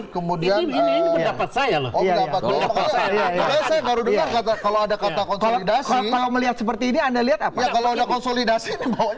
kemudian dapat saya loh kalau ada kata konsolidasi melihat seperti ini anda lihat apa konsolidasi